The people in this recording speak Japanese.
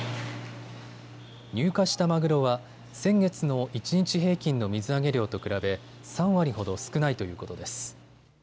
入荷したマグロは先月の一日平均の水揚げ量と比べ３割ほど少ないということです。